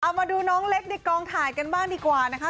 เอามาดูน้องเล็กในกองถ่ายกันบ้างดีกว่านะคะ